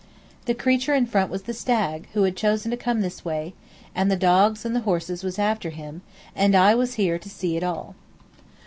The creature in front was the stag, who had chosen to come this way, and the dogs and the horses was after him, and I was here to see it all.